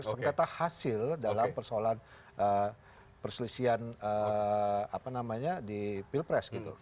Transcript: sengketa hasil dalam persoalan perselisihan di pilpres gitu